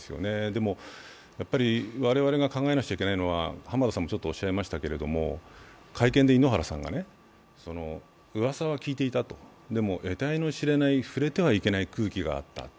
でも我々が考えなくちゃいけないのは会見で井ノ原さんが、うわさは聞いていたと、でもえたいの知れない、触れてはいけない空気があったと。